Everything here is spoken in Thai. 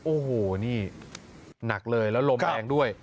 โอ้โหนี่หนักเลยแล้วลมแรงด้วย